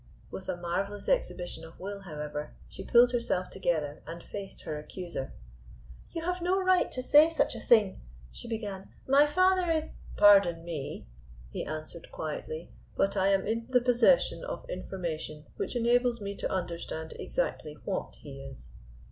With a marvelous exhibition of will, however, she pulled herself together and faced her accuser. "You have no right to say such a thing," she began. "My father is ." "Pardon me," he answered quietly, "but I am in the possession of information which enables me to understand exactly what he is.